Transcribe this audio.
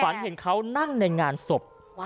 ฝันเห็นเขานั่งในงานศพ